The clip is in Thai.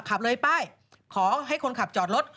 ขับเลยป้ายขอให้คนขับจอดรถ